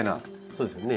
そうですよね。